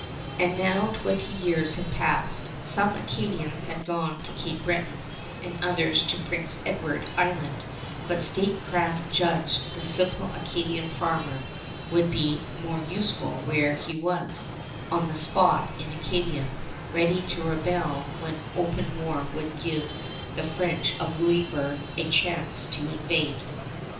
And now twenty years had passed. Some Acadians had gone to Cape Breton and others to Prince Edward Island; but statecraft judged the simple Acadian farmer would be more useful where he was, on the spot in Acadia, ready to rebel when open war would give the French of Louisburg a chance to invade.